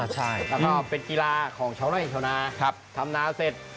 ใช่แล้วก็เป็นกีฬาของชาวไร่ชาวนาทำนาเสร็จ